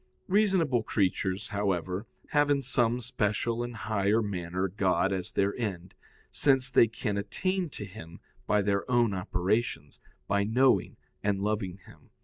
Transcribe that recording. Reasonable creatures, however, have in some special and higher manner God as their end, since they can attain to Him by their own operations, by knowing and loving Him.